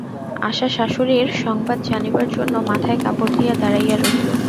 আশা শাশুড়ির সংবাদ জানিবার জন্য মাথায় কাপড় দিয়া দাঁড়াইয়া রহিল।